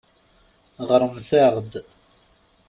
Ɣṛemt-aɣ-d.